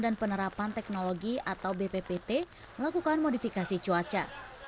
penerapan teknologi atau bppt melakukan modifikasi cuaca